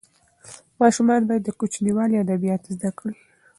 ماشومان باید له کوچنیوالي ادبیات زده کړي.